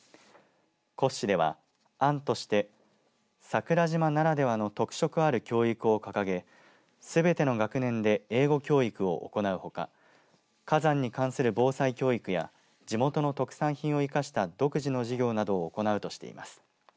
骨子では、案として桜島ならではの特色ある教育を掲げすべての学年で英語教育を行うほか火山に関する防災教育や地元の特産品を生かした独自の事業などを行うとしています。